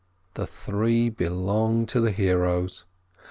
The three belong to the heroes.